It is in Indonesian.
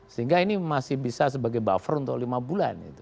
sehingga ini masih bisa sebagai buffer untuk lima bulan